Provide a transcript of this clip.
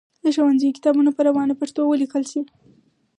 د ښوونځیو کتابونه دي په روانه پښتو ولیکل سي.